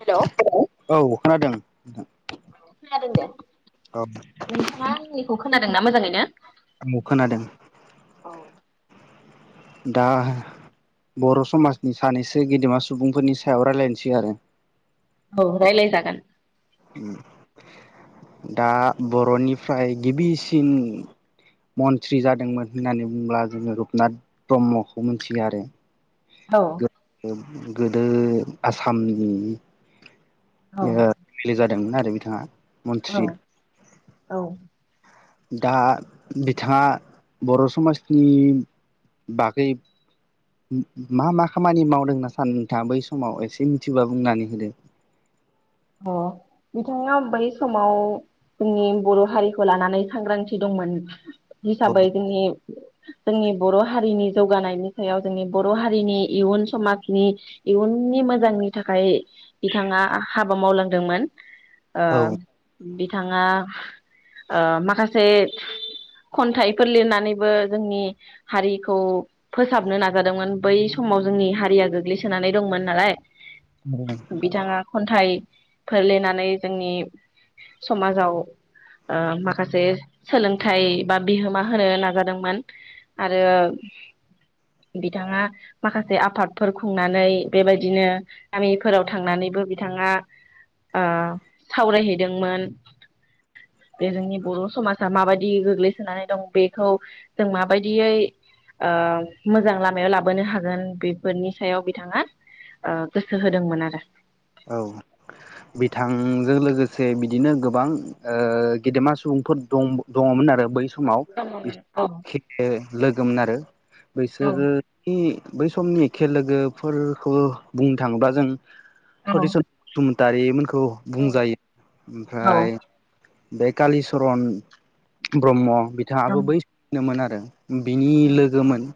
Hello औ खोनादों [inaudible] खोनादों दा नोंथाङा आंनिखौ खोनादोंना मोजाङैनो आं खोनादों औ दा बर' समाजनि सानैसो गेदेमा सुबुंफोरनि सायाव रायज्लायनोसै आरो औ रायलायजागोन दा बर'निफ्राय गिबिसिन मन्त्रि जादोंमोन होननानै बुंङोब्ला जोङो रुपनाथ ब्रह्मखौ मिथियो आरो औ [inaudible] गोदो आसामनि औ ले जादोंमोन आरो बिथाङा। औ मन्त्रि। औ दा बिथाङा बर' समाजनि बागै मा मा खामानि मावदों होनना सार नोंथाङा बै समाव एसे मिथिबा बुंनानै होदो। अ बिथाङा बै समाव जोंनि बर' हारिखौ लानानै सांग्रांथि दंमोन। जि साबायदिनि जोंनि बर' हारिनि जौगानायनि सायाव जोंनि बर' हारिनि इयुन समाजनि इयुननि मोजांनि थाखाय बिथाङा हाबा मावलांदोंमोन। ओ औ बि बिथाङा माखासे खन्थाइफोर लिरनानैबो जोंनि हारिखौ फोसाबनो नाजादोंमोन बै समाव जोंनि हारिया गोग्लैसोनानै दंमोन नालाय। औ थाइ फोर लिरनानै जोंनि समाजाव माखासे सोलोंथाइ बा बिहोमा होनो नाजादोंमोन आरो बिथाङा माखासे आफादफोर खुंनानै बेबायदिनो गामिफोराव थांनानैबो बिथाङा सावरायहैदोंमोन बे जोंनि बर' समाजा माबायदि गोग्लैसोनानै दं बेखौ जों माबायदियै मोजां लामायाव लाबोनो हागोन बेफोरनि सायाव बिथाङा गोसो होदोंमोन आरो। औ बिथांजों लोगोसे बिदिनो गोबां गेदेमा सुबुंफोर दं दङमोन आरो बै सम। समाव बि औ लोगोन आरो औ बैसोरनि। बै समनि खे लोगोफोरखौ बुंनो थाङोब्ला जों औ स स दारि मोनखौ औ औ बुंजायो ओमफ्राय बे कालिचरन ब्रह्म। औ बिथाङाबो बै सिनोमोन आरो। बिनि लोगोमोन।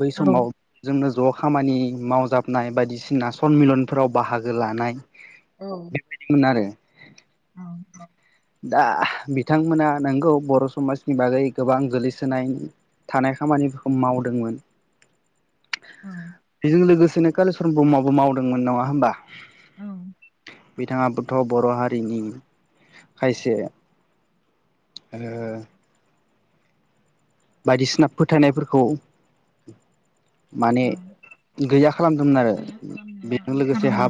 बै समाव जोंनो ज' खामानि मावजाबनाय बायदिसिना सनमिलनफोराव बाहागो लानाय बेबायदिमोन आरो। औ दा बिथांमोना नोंगौ बर' समाजनि बागै गोबां गोलैसोनाय थानाय खामानिफोरखौ मावदोंमोन। बेजों लोगोसे दिनो कालिचरन ब्रह्मआबो मावदोंमोन नङा होनोमबा? औ बिथाङाबथ बर' हारिनि खायसे ओ बायदिसिना फोथायनायफोरखौ माने गैया खालामदोंमोन आरो बेजों लोगोसे हा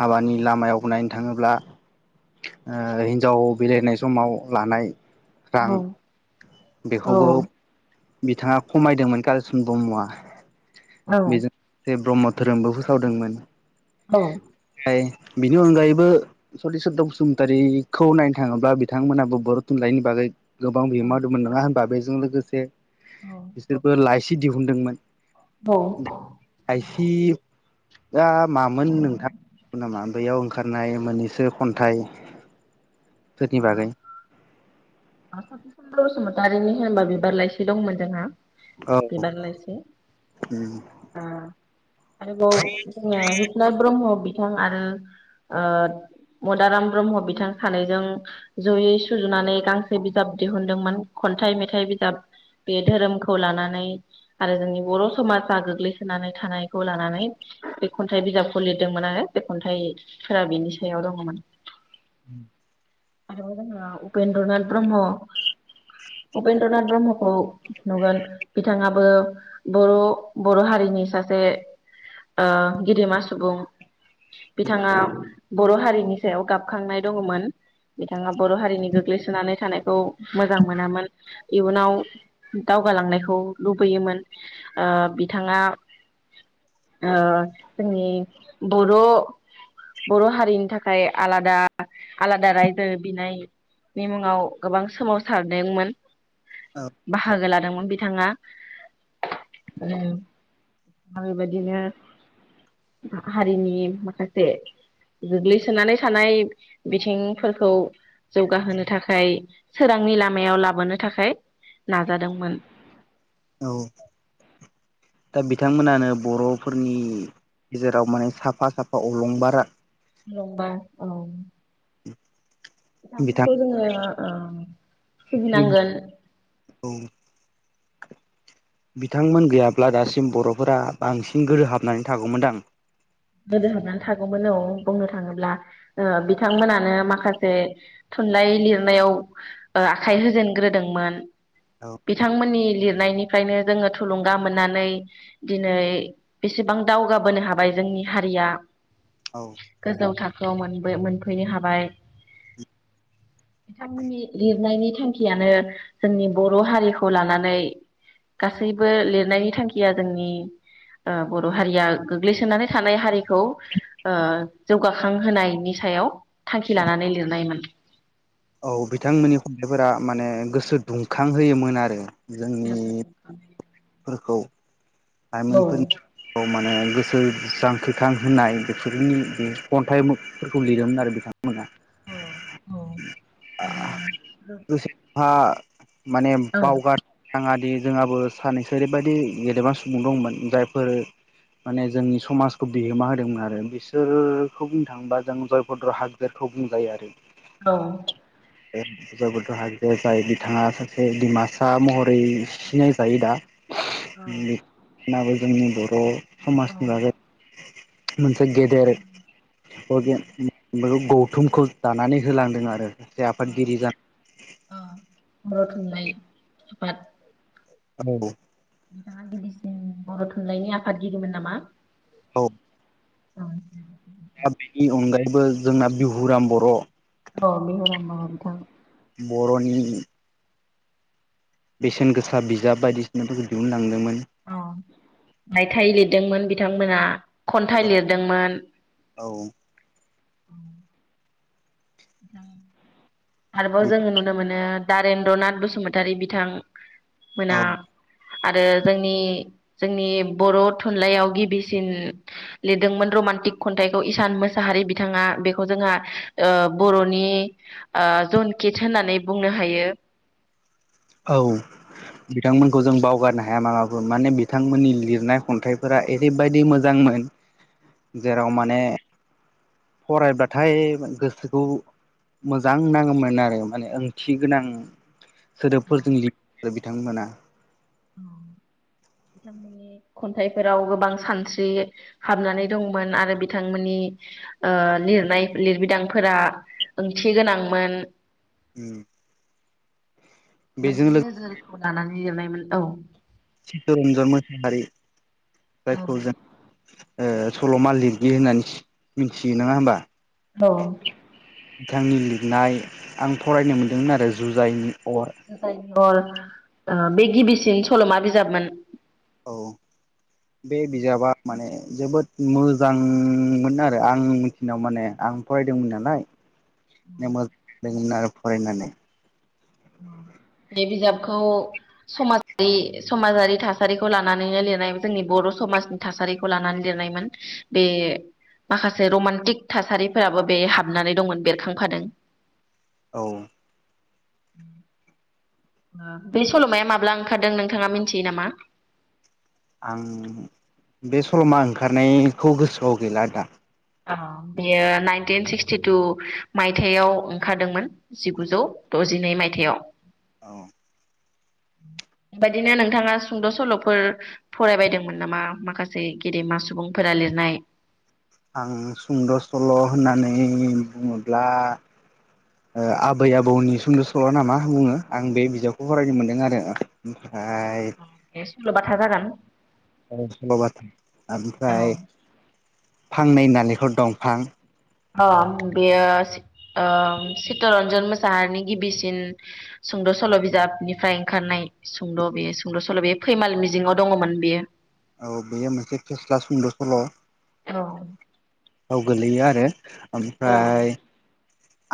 हाबानि लामायाव नायनो थाङोब्ला हिन्जाव बिलायनाय समाव लानाय रां बेखौबो बिथाङा खमायदोंमोन कलिचन ब्रह्मआ बेनो ब्रह्म धोरोमबो फोसावदोंमोन औ ओमफ्राय बिनि अनगायैबो सतिचन्द्र बसुमतारीखौ नायनो थाङोब्ला बिथांमोनाबो बर' थुनलाइनि बागै गोबां बिहोमा दंमोन नङा होनोमबा बे जों लोगोसे बिसोर लाायसि दिहुनदोंमोन औ से [unintelligible] दा मामोन नोंथां नामा बैयाव ओंखारनाय मोननैसो खन्थाइ म स सम [unintelligible] बारिनि होनबा बिबार लाइसि दंमोन जोंहा औ बिबार लाइस ओ आरोबाव जोंना रुपनाथ ब्रह्म बिथां आरो मदाराम ब्रह्म बिथां सानैजों जयै सुजुनानै गांसे बिजाब दिहुनदोंमोन खन्थाइ मेथाइ बिजाब बे धोरोमखौ लानानै आरो जोंनि बर' समाजा गोग्लैसोनानै थानायखौ लानानै बे खन्थाइ बिजाबखौ लिरदोंमोन आरो बे खन्थाइफोरा बेनि सायाव दङमोन उ [inaudible] आ [unintelligible] उपेन्द्रनाथ ब्रह्म उपेन्द्रनाथ ब्रह्म खौ नुगोन बिथाङाबो बर' बर' हारिनि सासे गेदेमा सुबुं बिथाङा बर' हारिनि सायाव गाबखांनाय दङमोन बिथाङा बर' हारिनि गोग्लैसोनानै थानायखौ मोजां मोनामोन इयुनाव दावगालांनायखौ लुबैयोमोन ओ बिथाङा ओ जोंनि बर' बर' हारिनि थाखाय आलादा आलादा रायजो गोदो बिनायनि मुङाव गोबां सोमावसारदोंमोन औ बाहागो लादोंमोन बि बिथाङा बिथाङा बेबायदिनो हारिनि माखासे गोग्लैसोनानै थानाय बिथिं फोरखौ जौगाहोनो थाखाय सोरांनि लामायाव लाबोनो थाखाय नाजादोंमोन औ दा बिथांमोनानो बर'फोरनि गेजेराव माने साफा साफा अलंबारा नबा औ [inaudible] बिथां दामोनखौ जोङो सिबिंनि नांगोन औ बिथांमोन गैयाब्ला दासिम बर'फोरा बांसिन गोहो हाबनानै थागौमोनदां गोदो हाबनानै थागौमोन औ बुंनो थाङोब्ला बिथांमोनानो माखासे थुनलाइ लिरनायाव आखाइ होजेनग्रोदोंमोन औ बिथांमोननि लिर निफ्रायनो जोङो थुलुंगा मोननानै दिनै बेसेबां दावगाबोनो हाबाय जोंनि हारिया औ गोजौ थाखो बाव मोनब्रै-मोनफैनो हाबाय बिथांमोननि लिरनायनि थांखियानो जोंनि बर' हारिखौ लानानै गासैबो लिरनायनि थांखिया जोंनि ओं बर' हारिया गोग्लैसोनानै थानाय हारिखौ ओ जौगाखां होनायनि सायाव। थांखि लानानै लिरनायमोन। औ बिथांमोननि खन्थाइफोरा माने गोसो दुंखां होयोमोन आरो। [inaudible] फोरखौ लाइमोनफोरनि [unintelligible] माने गोसो जांख्रिखां होनाय बेफोरनि बे खन्थाइफोरखौ लिरोमोन आरो बिथांमोन मोना [unintelligible] माने बावगार नाङादि जोंहाबो सानैनैसो ओरैबायदि गेलेदेमा सुबु सुबुं दंमोन जायफोर माने जोंनि समाजखौ बिहोमा होदोंमोन आरो बिसोरखौ बुंनो थाङोबा जों जयभद्र हागजेरखौ बुंजायो आरो। औ जयभद्र हागजेर जाय बिथाङा सासे डिमासा महरै सिनाय जायो दा। [unintelligible] मोनाबो जोंनि बर' समाजनि बागै मोनसे गेदेर [unintelligible] गौथुमखौ दानानै होलांदों आरो सासे आफादगिरि जान [unintelligible] औ बिथाङा गिबिसिन बर' थुनलाइनि आफादगिरिमोन नामा? औ। ओं दा बेनि अनगायैबो जोंना बिहुराम बर' औ बिहुराम बर' बिथां बर'नि बेसेन गोसा बिजाब बायदिसिनाफोरखौ दिहुनलांदोंमोन। औ रायथाइ लिरदोंमोन बिथांमोना खन्थाइ लिरदोंमोन औ [inaudible] आरोबाव जोङो नुनो मोनो दारेन्द्रनाथ बसुमतारि बिथां मोना आरो जोंनि जोंनि बर' थुनलाइयाव गिबिसिन लिरदोंमोन रमान्टिक खन्थाइखौ इसान मोसाहारि बिथाङा बेखौ जोंहा ओ बर'नि जनकोत्स होननानै बुंनो हायो। औ बिथांमोनखौ जों बावगारनो हाया माबाफोर माने बिथांमोननि लिरनाय खन्थाइफोरा ओरैबायदि मोजांमोन, जेराव माने फरायब्लाथाय गोसोखौ मोजां नाङोमोन आरो माने ओंथि गोनां। सोदोबफोरजों लि [unintelligible] आरो बिथांमोना। औ बिथांमोननि खन्थाइफोराव गोबां सानस्रि हाबनानै दंमोन आरो बिथांमोननि ओ लिरनाय लिरबिदांफोरा ओंथि गोनांमोन। उम। बेजों बिदि लोगोसे नोजोरखौ लानानै लिरनायमोन औ। चीतरन्जन मोसाहारि। जायखौ जों ओ सल'मा लिरगिरि होननानै सि मिथियो नङा होमबा? औ। बिथांनि लिरनाय आं फरायनो मोनदोंमोन आरो जुजाइनि अर। अ बे गिबिसिन सल'मा बिजाबमोन। औ बे बिजाबा माने जोबोद मोजांमोन आरो आं मिथिनायाव माने आं फरायदोंमोन नालाय मे [unintelligible] मोजां जादोंमोन आरो फरायनानै। बे बिजाबखौ समाजारि समाजारि थासारिखौ लानानैनो लिरनाय जोंनि बर' समाजनि थासारिखौ लानानै लिरनायमोन बे माखासे रमान्टिक थासारिफोराबो बे हाबनानै दंमोन बेरखांफादों। औ। [inaudible] ओ बे सल'माया माब्ला ओंखारदों नोंथाङा मिथियो नामा? आं बे सल'मा ओंखारनायखौ गोसोआव गैला दा। औ बेयो नाइनटिन सिक्सटिटु मायथाइयाव ओंखारदोंमोन। जिगुजौ डज जिनै मायथाइयाव। औ। बेबायदिनो नोंथाङा सुंद' सल'फोर फरायबायदोंमोन नामा? माखासे गेदेमा सुबुंफोरा लिरनाय। आं सुंद' सल' होननानै बुङोब्ला ओ आबै आबौनि सुंद' सल' ना मा बुङो आं बे बिजाबखौ फरायनो मोनदों आरो। ओ बे सल'बाथा जागोन। सल'बाथा आमफ्राय फांनै नालेंखर दंफां अ बेयो ओ चित्तरन्जन मोसाहारिनि गिबिसिन सुंद' सल' बिजाबनिफ्राय ओंखारनाय सुंद' बे सुंद' सल' बेयो फैमाल मिजिङाव दङमोन बेयो। औ बेयो मोनसे फेस्ला सुंद' सल'। औ गोलैयो आरो ओमफ्राय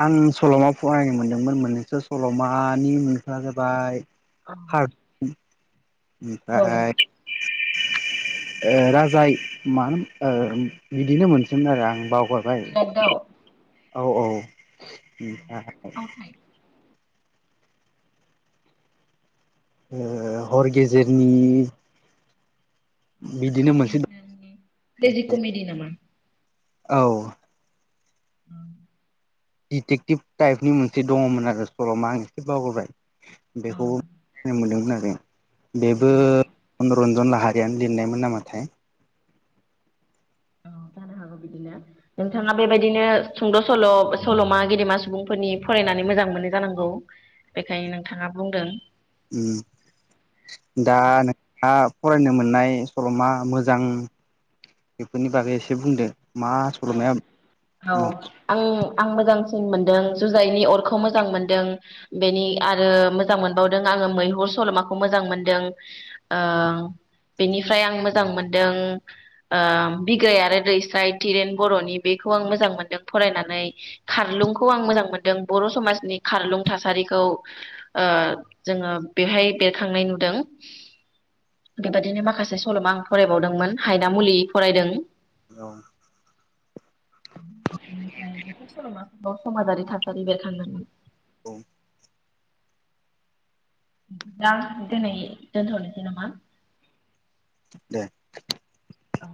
आं सल'मा फरायनो मोनदोंमोन मोननैसो सल'मानि मुंआ जाबाय [unintelligible] ओमफाय ओ राजा इ मा बिदिनो मोनसोमोन आरो आं बाव इरागदाव औ औ। [unintelligible] ओ हर गेजेरनि बिदिनो हर मोनसे गेजेरनि ट्रेजि कमिदि नामा औ [inaudible] दिटेक्टिभ टाइपनि मोनसे दङमोन आरो सल'मा आं एसे बावगारबाय बेखौबो मिथिनो मोनदोंमोन आरो बेबो मनरन्जन लाह हारियानो लिरनायमोन नामाथाय औ जानो हागौ बिदिनो नोंथाङा बेबायदिनो सुंद' सल'बा सल'मा गेदेमा सु बुंफोरनि फरायनानै मोजां मोनो जानांगौ बेखायनो नोंथाङा बुंदों ओम दा नोंहा फरायनो मोननाय सल'मा मोजां बेफोरनि बागै एसे बुंदो मा सल'माया औ-औ आं-आं मोजांसि सिन मोनदों जुजाइनि अरखौ मोजां मोनदों बेनि आरो मोजां मोनबावदों आङो मैहुर सल'माखौ मोजां मोनदों ओ बेनिफ्राय आं मोजां मोनदों ओ बिग्राय आरो दैस्राइ तिरेन बर'नि बेखौ आं मोजां मोनदों फरायनानै खारलुंखौ आं मोजां मोनदों बर' समाजनि खारलुं थासारिखौ ओ जोङो बेहाय बेरखांनाय नुदों बेबादिनो माखासे सल'मा आं फरायबावदोंमोन हायना मुलि फरायदों औ ओमफ्राय बेफोर सल'माफोराव समाजारि थासारि बेरखांदोंमोन औ दा दिनै दोनथ'नोसै नामा दे औ